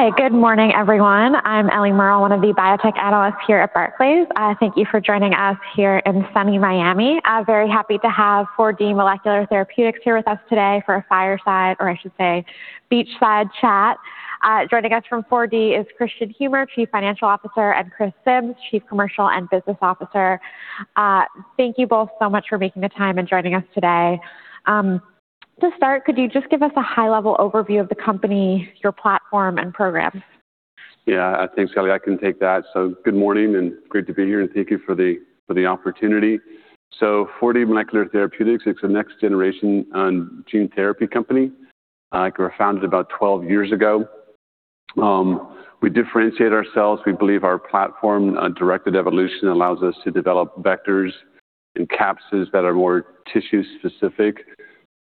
Hi. Good morning, everyone. I'm Ellie Wang, one of the Biotech Analysts here at Barclays. Thank you for joining us here in sunny Miami. Very happy to have 4D Molecular Therapeutics here with us today for a fireside, or I should say beachside chat. Joining us from 4D is August Moretti, Chief Financial Officer, and Chris Simms, Chief Commercial and Business Officer. Thank you both so much for making the time and joining us today. To start, could you just give us a high-level overview of the company, your platform, and programs? Yeah. Thanks, Ellie. I can take that. Good morning and great to be here, and thank you for the opportunity. 4D Molecular Therapeutics is a next-generation gene therapy company founded about 12 years ago. We differentiate ourselves. We believe our platform, directed evolution, allows us to develop vectors and capsids that are more tissue-specific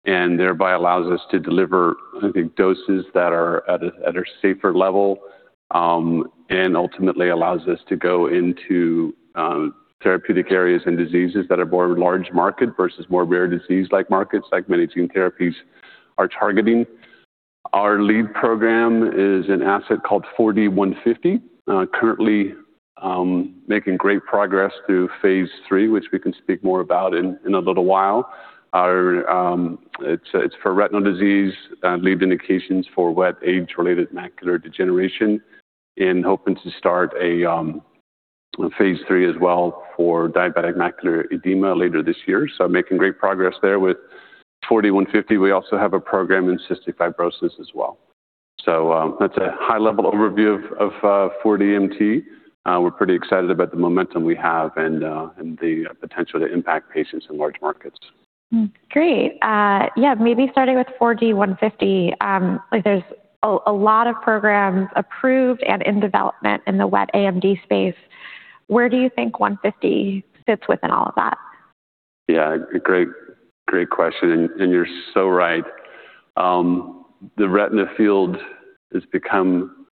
and thereby allows us to deliver, I think, doses that are at a safer level, and ultimately allows us to go into therapeutic areas and diseases that are more large market versus more rare disease-like markets like many gene therapies are targeting. Our lead program is an asset called 4D-150, currently making great progress through phase 3, which we can speak more about in a little while. Our It's for retinal disease, lead indications for wet age-related macular degeneration and hoping to start a phase 3 as well for diabetic macular edema later this year, so making great progress there with 4D-150. We also have a program in cystic fibrosis as well. That's a high-level overview of 4DMT. We're pretty excited about the momentum we have and the potential to impact patients in large markets. Great. Yeah, maybe starting with 4D-150, like, there's a lot of programs approved and in development in the wet AMD space. Where do you think 150 fits within all of that? Yeah, a great question, and you're so right. The retina field has become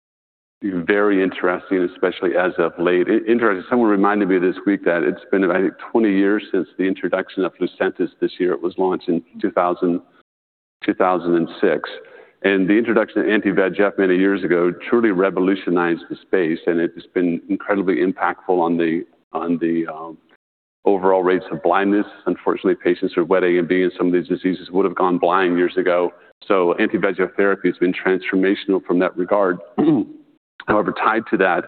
very interesting, especially as of late. Interesting, someone reminded me this week that it's been about 20 years since the introduction of Lucentis this year. It was launched in 2006. The introduction of anti-VEGF many years ago truly revolutionized the space, and it has been incredibly impactful on the overall rates of blindness. Unfortunately, patients with wet AMD and some of these diseases would have gone blind years ago, so anti-VEGF therapy has been transformational from that regard. However, tied to that,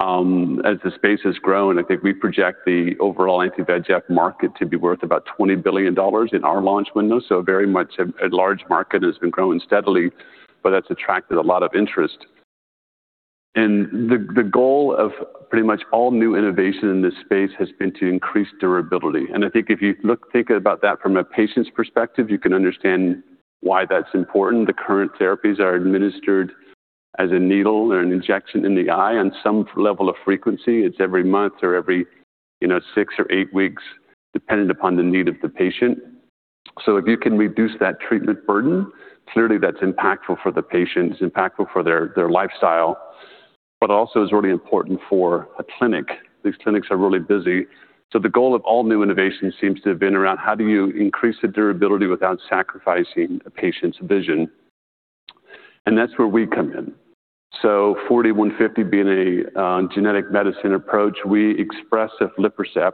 as the space has grown, I think we project the overall anti-VEGF market to be worth about $20 billion in our launch window, so very much a large market that has been growing steadily, but that's attracted a lot of interest. The goal of pretty much all new innovation in this space has been to increase durability. I think if you look, think about that from a patient's perspective, you can understand why that's important. The current therapies are administered as a needle or an injection in the eye on some level of frequency. It's every month or every, you know, six or eight weeks, dependent upon the need of the patient. If you can reduce that treatment burden, clearly that's impactful for the patient. It's impactful for their lifestyle, but also is really important for a clinic. These clinics are really busy. The goal of all new innovations seems to have been around how do you increase the durability without sacrificing a patient's vision? That's where we come in. 4D-150 being a genetic medicine approach, we express aflibercept,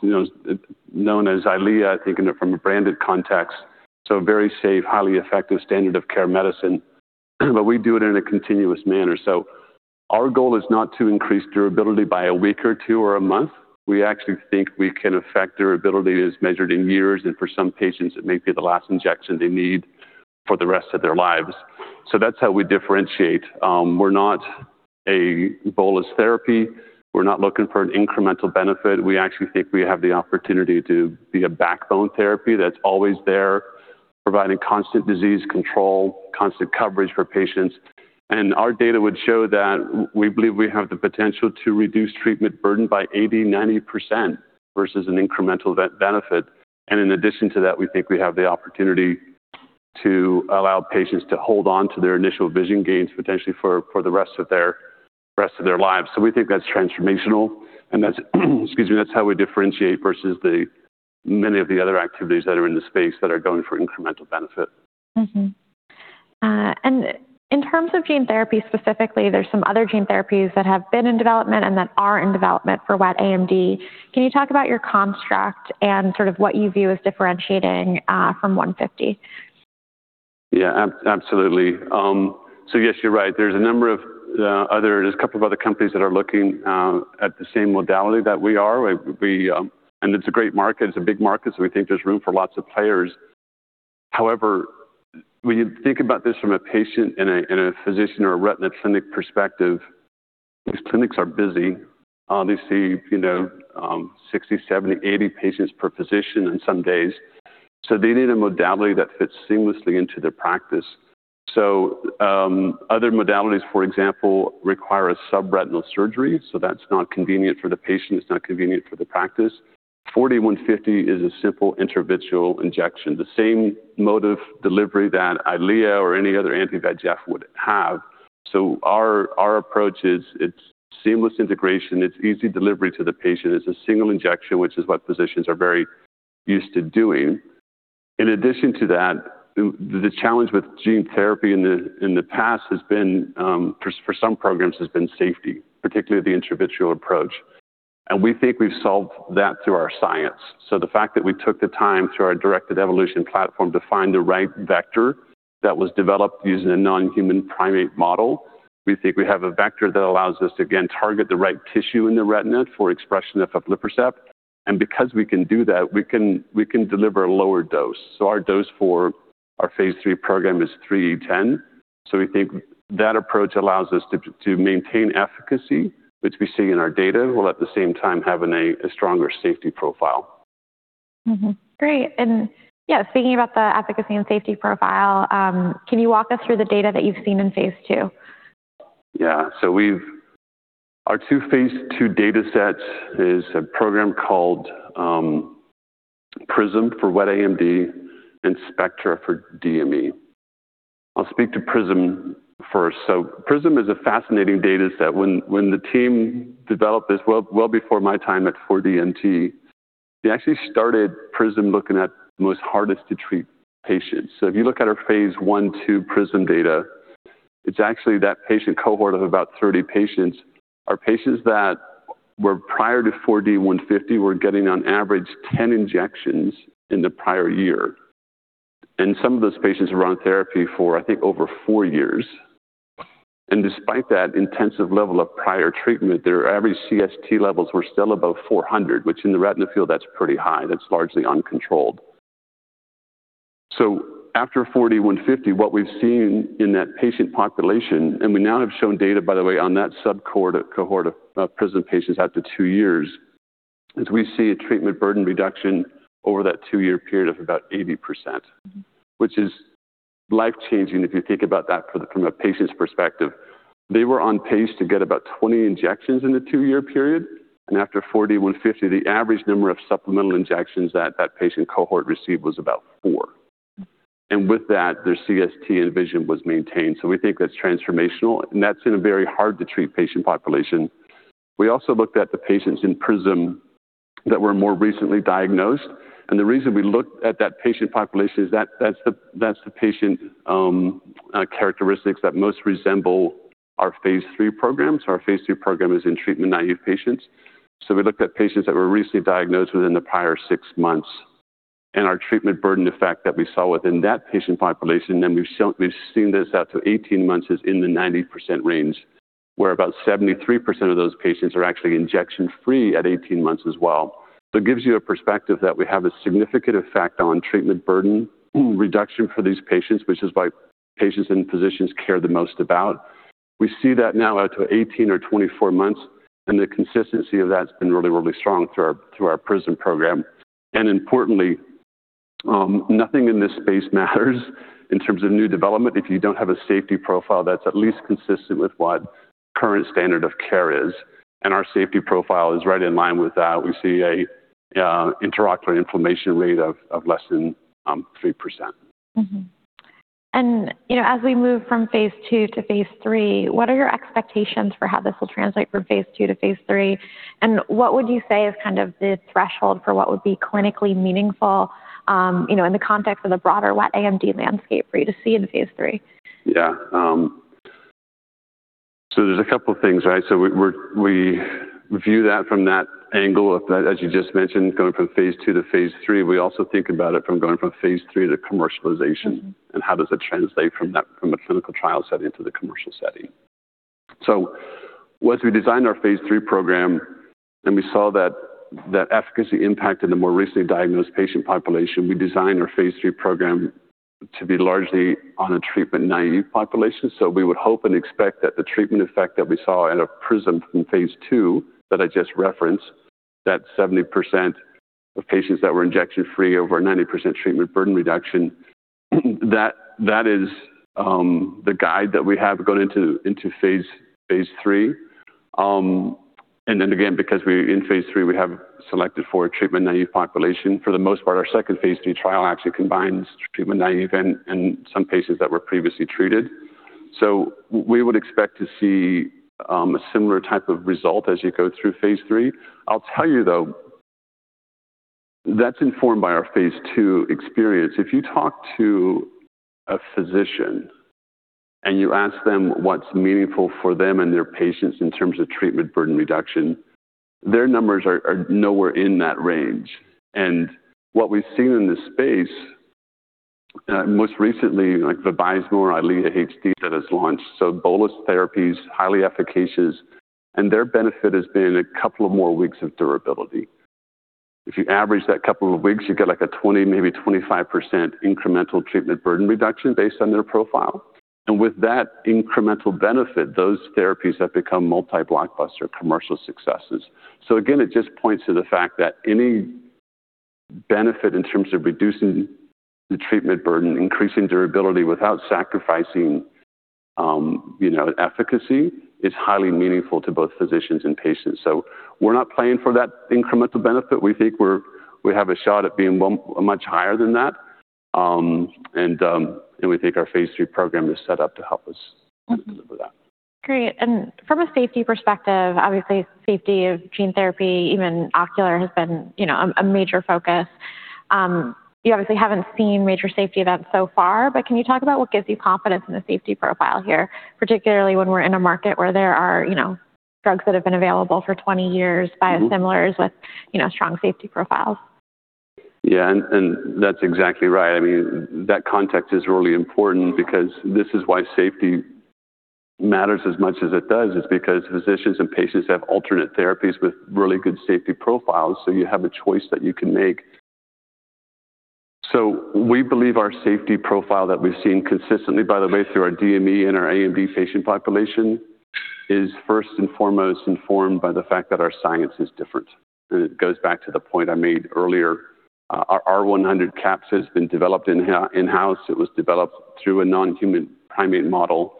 you know, known as Eylea, I think from a branded context, so a very safe, highly effective standard of care medicine, but we do it in a continuous manner. Our goal is not to increase durability by a week or two or a month. We actually think we can affect durability as measured in years, and for some patients it may be the last injection they need for the rest of their lives. That's how we differentiate. We're not a bolus therapy. We're not looking for an incremental benefit. We actually think we have the opportunity to be a backbone therapy that's always there, providing constant disease control, constant coverage for patients. Our data would show that we believe we have the potential to reduce treatment burden by 80%-90% versus an incremental benefit. In addition to that, we think we have the opportunity to allow patients to hold on to their initial vision gains potentially for the rest of their lives. We think that's transformational and that's, excuse me, how we differentiate versus the many of the other activities that are in the space that are going for incremental benefit. In terms of gene therapy specifically, there's some other gene therapies that have been in development and that are in development for wet AMD. Can you talk about your construct and sort of what you view as differentiating from one fifty? Yeah. Absolutely. Yes, you're right. There's a couple of other companies that are looking at the same modality that we are. It's a great market. It's a big market, so we think there's room for lots of players. However, when you think about this from a patient and a physician or a retina clinic perspective, these clinics are busy. They see, you know, 60, 70, 80 patients per physician on some days, so they need a modality that fits seamlessly into their practice. Other modalities, for example, require a subretinal surgery, so that's not convenient for the patient. It's not convenient for the practice. 4D-150 is a simple intravitreal injection, the same mode of delivery that Eylea or any other anti-VEGF would have. Our approach is seamless integration. It's easy delivery to the patient. It's a single injection, which is what physicians are very used to doing. In addition to that, the challenge with gene therapy in the past has been for some programs safety, particularly the intravitreal approach. We think we've solved that through our science. The fact that we took the time through our directed evolution platform to find the right vector that was developed using a non-human primate model, we think we have a vector that allows us to again target the right tissue in the retina for expression of aflibercept. Because we can do that, we can deliver a lower dose. Our dose for our phase 3 program is 3E10. We think that approach allows us to maintain efficacy, which we see in our data, while at the same time having a stronger safety profile. Mm-hmm. Great. Yeah, speaking about the efficacy and safety profile, can you walk us through the data that you've seen in phase 2? Yeah. Our two Phase 2 datasets is a program called PRISM for wet AMD and SPECTRA for DME. I'll speak to PRISM first. PRISM is a fascinating dataset. When the team developed this, well before my time at 4DMT, they actually started PRISM looking at the most hardest to treat patients. If you look at our Phase 1/2 PRISM data, it's actually that patient cohort of about 30 patients are patients that were prior to 4D-150 were getting on average 10 injections in the prior year. Some of those patients were on therapy for, I think, over 4 years. Despite that intensive level of prior treatment, their average CST levels were still above 400, which in the retina field, that's pretty high. That's largely uncontrolled. After 4D-150, what we've seen in that patient population, and we now have shown data, by the way, on that subcohort of PRISM patients after 2 years, is we see a treatment burden reduction over that 2-year period of about 80%. Mm-hmm. Which is life-changing if you think about that from a patient's perspective. They were on pace to get about 20 injections in a 2-year period, and after 4D-150, the average number of supplemental injections that that patient cohort received was about 4. Mm-hmm. With that, their CST and vision was maintained. We think that's transformational, and that's in a very hard-to-treat patient population. We also looked at the patients in PRISM that were more recently diagnosed, and the reason we looked at that patient population is that that's the patient characteristics that most resemble our phase 3 program. Our phase 3 program is in treatment-naive patients. We looked at patients that were recently diagnosed within the prior six months. Our treatment burden effect that we saw within that patient population, and we've seen this out to 18 months, is in the 90% range, where about 73% of those patients are actually injection-free at 18 months as well. It gives you a perspective that we have a significant effect on treatment burden reduction for these patients, which is what patients and physicians care the most about. We see that now out to 18 or 24 months, and the consistency of that's been really, really strong through our PRISM program. Importantly, nothing in this space matters in terms of new development if you don't have a safety profile that's at least consistent with what current standard of care is. Our safety profile is right in line with that. We see an intraocular inflammation rate of less than 3%. You know, as we move from phase 2 to phase 3, what are your expectations for how this will translate from phase 2 to phase 3? What would you say is kind of the threshold for what would be clinically meaningful, you know, in the context of the broader wet AMD landscape for you to see in phase 3? Yeah. There's a couple of things, right? We view that from that angle of that, as you just mentioned, going from phase 2 to phase 3. We also think about it from going from phase 3 to commercialization. Mm-hmm. How does it translate from a clinical trial setting to the commercial setting. Once we designed our phase 3 program and we saw that efficacy impact in the more recently diagnosed patient population, we designed our phase 3 program to be largely on a treatment-naive population. We would hope and expect that the treatment effect that we saw out of PRISM from phase 2 that I just referenced, that 70% of patients that were injection-free, over 90% treatment burden reduction, that is the guide that we have going into phase 3. Then again, because we're in phase 3, we have selected for a treatment-naive population. For the most part, our second phase 3 trial actually combines treatment-naive and some patients that were previously treated. We would expect to see a similar type of result as you go through phase three. I'll tell you, though, that's informed by our phase two experience. If you talk to a physician, and you ask them what's meaningful for them and their patients in terms of treatment burden reduction, their numbers are nowhere in that range. What we've seen in this space, most recently, like Vabysmo or Eylea HD that has launched. Bolus therapies, highly efficacious, and their benefit has been a couple of more weeks of durability. If you average that couple of weeks, you get like a 20, maybe 25% incremental treatment burden reduction based on their profile. With that incremental benefit, those therapies have become multi-blockbuster commercial successes. Again, it just points to the fact that any benefit in terms of reducing the treatment burden, increasing durability without sacrificing, you know, efficacy is highly meaningful to both physicians and patients. We're not playing for that incremental benefit. We think we have a shot at being much higher than that. We think our phase 3 program is set up to help us. Mm-hmm. Deliver that. Great. From a safety perspective, obviously safety of gene therapy, even ocular, has been, you know, a major focus. You obviously haven't seen major safety events so far, but can you talk about what gives you confidence in the safety profile here, particularly when we're in a market where there are, you know, drugs that have been available for 20 years, biosimilars with, you know, strong safety profiles? Yeah. That's exactly right. I mean, that context is really important because this is why safety matters as much as it does, is because physicians and patients have alternate therapies with really good safety profiles, so you have a choice that you can make. We believe our safety profile that we've seen consistently, by the way, through our DME and our AMD patient population, is first and foremost informed by the fact that our science is different. It goes back to the point I made earlier. Our R100 capsid has been developed in-house. It was developed through a non-human primate model.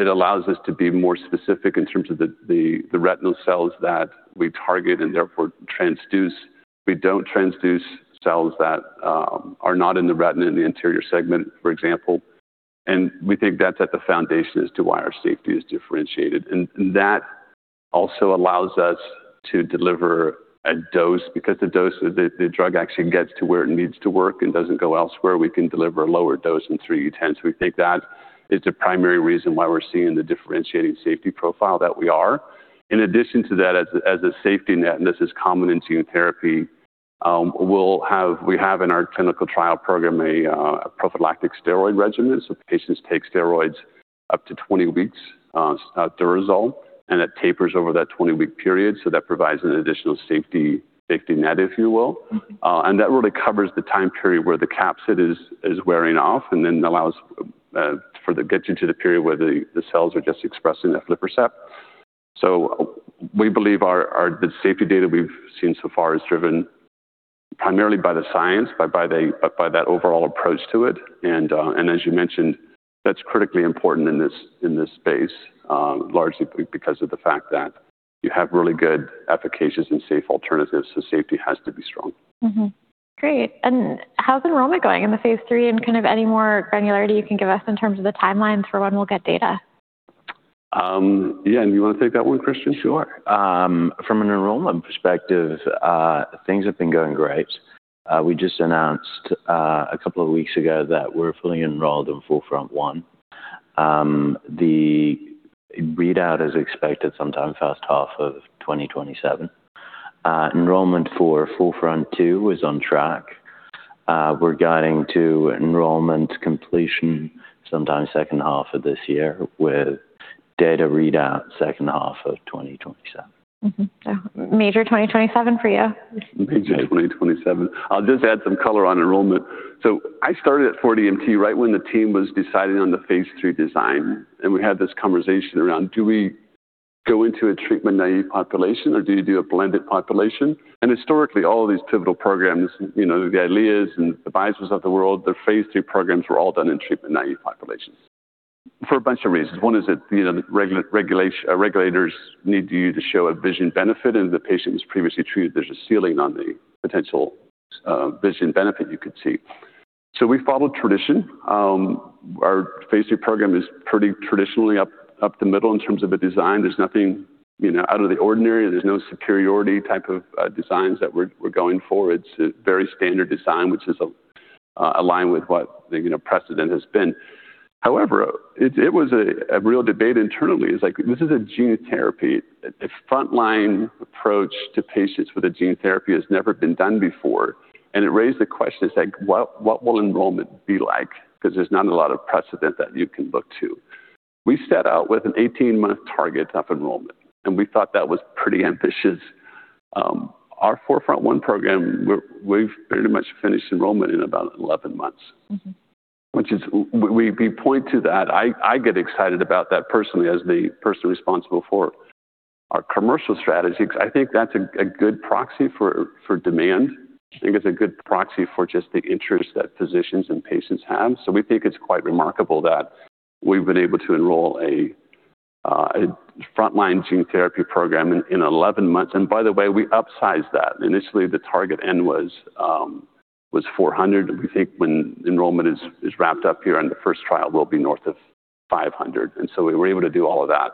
It allows us to be more specific in terms of the retinal cells that we target and therefore transduce. We don't transduce cells that are not in the retina in the anterior segment, for example. We think that's at the foundation as to why our safety is differentiated. That also allows us to deliver a dose. Because the dose of the drug actually gets to where it needs to work and doesn't go elsewhere, we can deliver a lower dose of 3E10s. We think that is the primary reason why we're seeing the differentiating safety profile that we are. In addition to that, as a safety net, and this is common in gene therapy, we have in our clinical trial program a prophylactic steroid regimen. Patients take steroids up to 20 weeks starting at the dosing, and it tapers over that 20-week period. That provides an additional safety net, if you will. Mm-hmm. That really covers the time period where the capsid is wearing off and then gets you to the period where the cells are just expressing the aflibercept. We believe our safety data we've seen so far is driven primarily by the science, by that overall approach to it. As you mentioned, that's critically important in this space, largely because of the fact that you have really good efficacious and safe alternatives, so safety has to be strong. Mm-hmm. Great. How's enrollment going in the phase 3 and kind of any more granularity you can give us in terms of the timelines for when we'll get data? Yeah. You wanna take that one, Chris? Sure. From an enrollment perspective, things have been going great. We just announced a couple of weeks ago that we're fully enrolled in 4FRONT-1. The readout is expected sometime first half of 2027. Enrollment for 4FRONT-2 is on track. We're guiding to enrollment completion sometime second half of this year with data readout second half of 2027. Major 2027 for you. Mid-2027. I'll just add some color on enrollment. I started at 4DMT right when the team was deciding on the phase 3 design, and we had this conversation around, do we go into a treatment-naive population, or do you do a blended population? Historically, all of these pivotal programs, you know, the Eylea and the Lucentis of the world, their phase 3 programs were all done in treatment-naive populations for a bunch of reasons. One is that, you know, the regulators need you to show a vision benefit. In the patients previously treated, there's a ceiling on the potential vision benefit you could see. We followed tradition. Our phase 3 program is pretty traditionally up the middle in terms of a design. There's nothing, you know, out of the ordinary. There's no superiority type of designs that we're going for. It's a very standard design, which is aligned with what the you know precedent has been. However, it was a real debate internally. It's like this is a gene therapy. A frontline approach to patients with a gene therapy has never been done before. It raised the question. It's like what will enrollment be like? 'Cause there's not a lot of precedent that you can look to. We set out with an 18-month target of enrollment, and we thought that was pretty ambitious. Our 4FRONT-1 program, we've pretty much finished enrollment in about 11 months. Mm-hmm. We point to that. I get excited about that personally as the person responsible for our commercial strategy 'cause I think that's a good proxy for demand. I think it's a good proxy for just the interest that physicians and patients have. We think it's quite remarkable that we've been able to enroll a frontline gene therapy program in 11 months. By the way, we upsized that. Initially, the target end was 400. We think when enrollment is wrapped up here on the first trial, we'll be north of 500. We were able to do all of that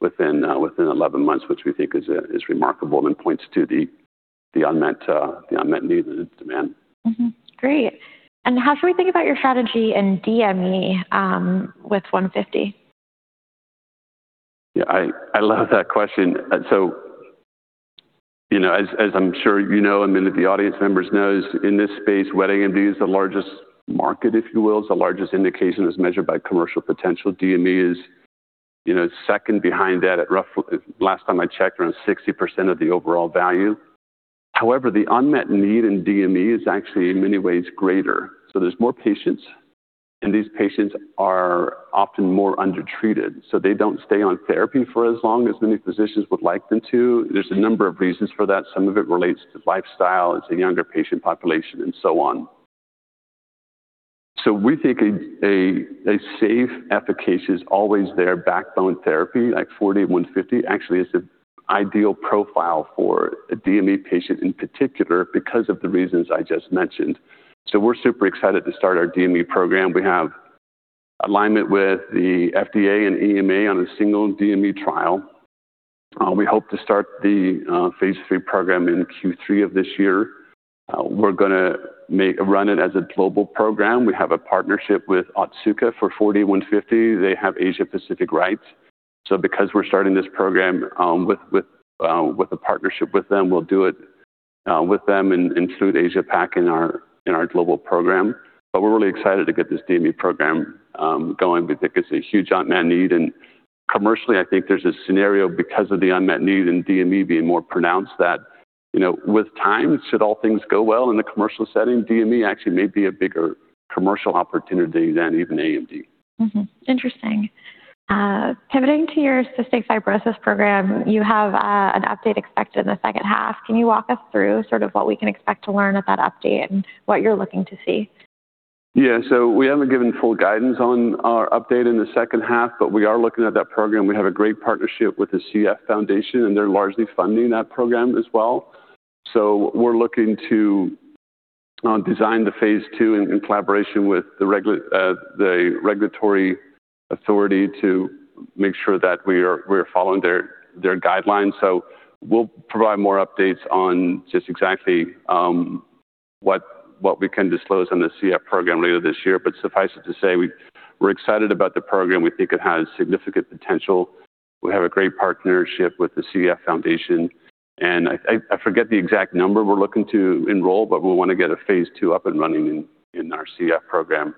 within 11 months, which we think is remarkable and points to the unmet need and its demand. Mm-hmm. Great. How should we think about your strategy in DME with 150? Yeah. I love that question. You know, as I'm sure you know, and many of the audience members knows, in this space, wet AMD is the largest market, if you will. It's the largest indication as measured by commercial potential. DME is, you know, second behind that. Last time I checked, around 60% of the overall value. However, the unmet need in DME is actually in many ways greater. There's more patients, and these patients are often more undertreated. They don't stay on therapy for as long as many physicians would like them to. There's a number of reasons for that. Some of it relates to lifestyle. It's a younger patient population, and so on. We think a safe, efficacious, always there backbone therapy like 4D-150 actually is an ideal profile for a DME patient in particular because of the reasons I just mentioned. We're super excited to start our DME program. We have alignment with the FDA and EMA on a single DME trial. We hope to start the phase 3 program in Q3 of this year. We're gonna run it as a global program. We have a partnership with Otsuka for 4D-150. They have Asia Pacific rights. Because we're starting this program with a partnership with them, we'll do it with them and include Asia Pac in our global program. We're really excited to get this DME program going. We think it's a huge unmet need and commercially, I think there's a scenario because of the unmet need in DME being more pronounced that, you know, with time, should all things go well in the commercial setting, DME actually may be a bigger commercial opportunity than even AMD. Mm-hmm. Interesting. Pivoting to your cystic fibrosis program, you have an update expected in the second half. Can you walk us through sort of what we can expect to learn at that update and what you're looking to see? Yeah. We haven't given full guidance on our update in the second half, but we are looking at that program. We have a great partnership with the CF Foundation, and they're largely funding that program as well. We're looking to design the phase two in collaboration with the regulatory authority to make sure that we are following their guidelines. We'll provide more updates on just exactly what we can disclose on the CF program later this year. Suffice it to say, we're excited about the program. We think it has significant potential. We have a great partnership with the CF Foundation. I forget the exact number we're looking to enroll, but we want to get a phase 2 up and running in our CF program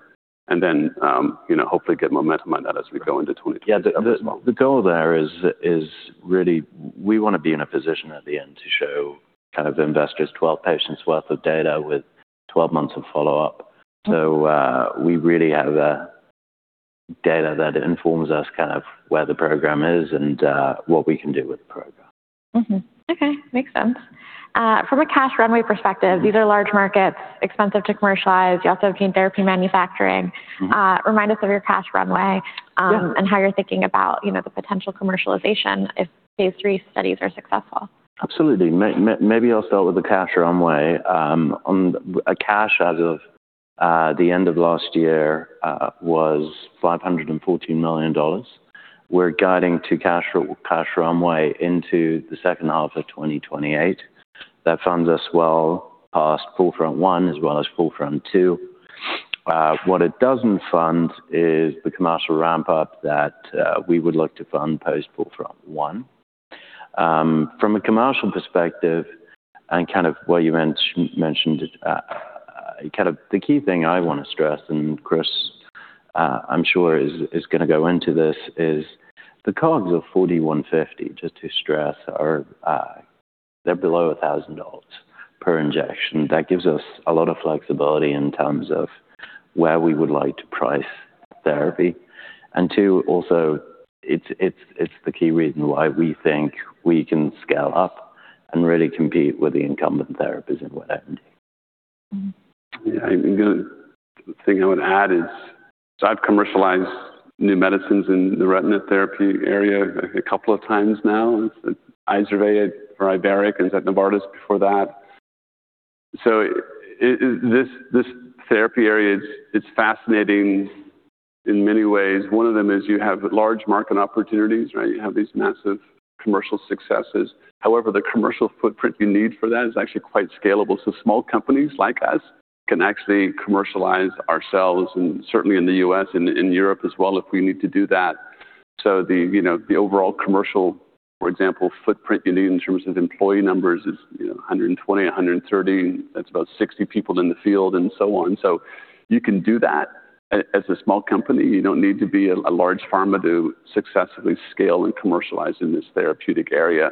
and then, you know, hopefully get momentum on that as we go into 2020 as well. Yeah. The goal there is really we want to be in a position at the end to show kind of investors 12 patients worth of data with 12 months of follow-up. We really have data that informs us kind of where the program is and what we can do with the program. Okay. Makes sense. From a cash runway perspective, these are large markets, expensive to commercialize. You also have gene therapy manufacturing. Mm-hmm. Remind us of your cash runway. Yeah How you're thinking about, you know, the potential commercialization if phase 3 studies are successful? Absolutely. Maybe I'll start with the cash runway. Our cash as of the end of last year was $514 million. We're guiding to cash runway into the second half of 2028. That funds us well past 4FRONT-1 as well as 4FRONT-2. What it doesn't fund is the commercial ramp-up that we would look to fund post 4FRONT-1. From a commercial perspective and kind of what you mentioned, kind of the key thing I wanna stress, and Chris, I'm sure is gonna go into this, is the COGS of 4D-150, just to stress, are below $1,000 per injection. That gives us a lot of flexibility in terms of where we would like to price therapy. Two, also it's the key reason why we think we can scale up and really compete with the incumbent therapies in wet AMD. Mm-hmm. Yeah. The thing I would add is I've commercialized new medicines in the retina therapy area a couple of times now. I served for Iveric Bio and then Novartis before that. This therapy area is, it's fascinating in many ways. One of them is you have large market opportunities, right? You have these massive commercial successes. However, the commercial footprint you need for that is actually quite scalable. Small companies like us can actually commercialize ourselves and certainly in the US and in Europe as well if we need to do that. The, you know, the overall commercial, for example, footprint you need in terms of employee numbers is, you know, 120, 130. That's about 60 people in the field and so on. You can do that as a small company. You don't need to be a large pharma to successfully scale and commercialize in this therapeutic area.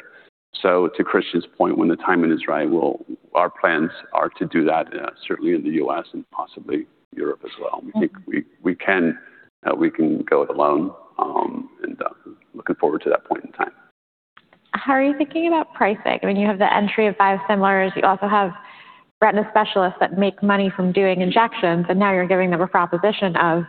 To August's point, when the timing is right, our plans are to do that, certainly in the US and possibly Europe as well. Mm-hmm. We think we can go it alone, and looking forward to that point in time. How are you thinking about pricing? I mean, you have the entry of biosimilars. You also have retina specialists that make money from doing injections, and now you're giving them a proposition of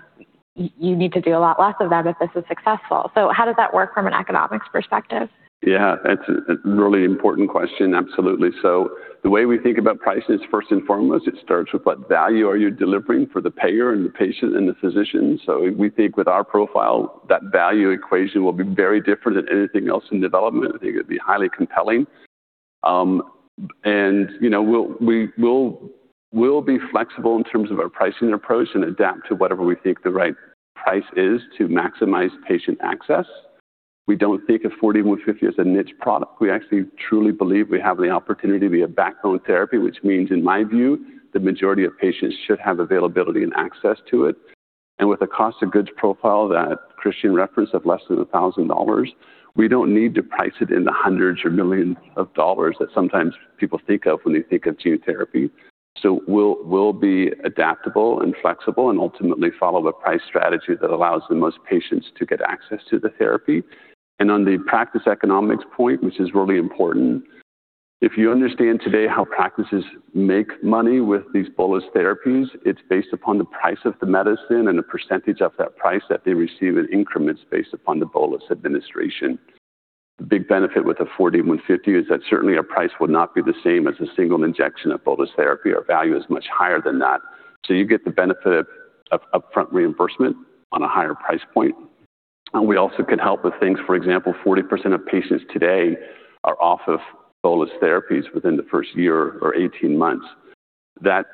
you need to do a lot less of that if this is successful. How does that work from an economics perspective? Yeah, that's a really important question. Absolutely. The way we think about pricing is first and foremost, it starts with what value are you delivering for the payer and the patient and the physician. We think with our profile, that value equation will be very different than anything else in development. I think it'd be highly compelling. You know, we'll be flexible in terms of our pricing approach and adapt to whatever we think the right price is to maximize patient access. We don't think of 4D-150 as a niche product. We actually truly believe we have the opportunity to be a backbone therapy, which means, in my view, the majority of patients should have availability and access to it. With the cost of goods profile that August Moretti referenced of less than $1,000, we don't need to price it in the hundreds or millions of dollars that sometimes people think of when they think of gene therapy. We'll be adaptable and flexible and ultimately follow the price strategy that allows the most patients to get access to the therapy. On the practice economics point, which is really important, if you understand today how practices make money with these bolus therapies, it's based upon the price of the medicine and the percentage of that price that they receive in increments based upon the bolus administration. Big benefit with the 4D-150 is that certainly our price would not be the same as a single injection of bolus therapy. Our value is much higher than that. You get the benefit of upfront reimbursement on a higher price point. We also could help with things. For example, 40% of patients today are off of bolus therapies within the first year or 18 months. That.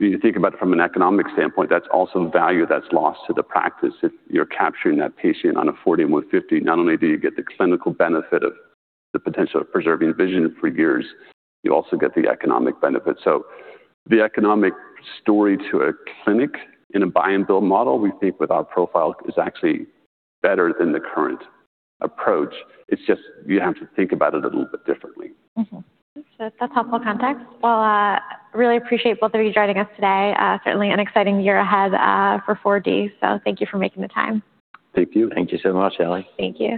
If you think about it from an economic standpoint, that's also value that's lost to the practice. If you're capturing that patient on a 4D-150, not only do you get the clinical benefit of the potential of preserving vision for years, you also get the economic benefit. The economic story to a clinic in a buy and bill model, we think with our profile, is actually better than the current approach. It's just you have to think about it a little bit differently. Mm-hmm. That's helpful context. Well, really appreciate both of you joining us today. Certainly an exciting year ahead for 4D. Thank you for making the time. Thank you. Thank you so much, Ellie. Thank you.